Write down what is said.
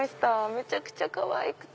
めちゃくちゃかわいくて。